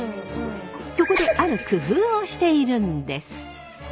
そこである工夫をしているんです。